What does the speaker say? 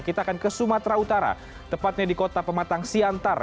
kita akan ke sumatera utara tepatnya di kota pematang siantar